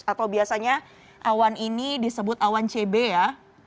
atau biasanya awan ini disebut awan cb ya